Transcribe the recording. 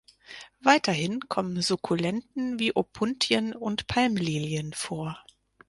Weiterhin kommen Sukkulenten wie Opuntien und Palmlilien vor.